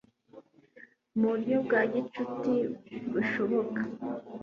mu buryo bwa gicuti bushoboka